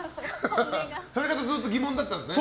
それがずっと疑問だったんですね。